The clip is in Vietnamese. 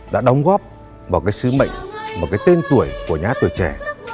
đã đóng góp vào cái sứ mệnh một cái tên tuổi của nhà hát tuổi trẻ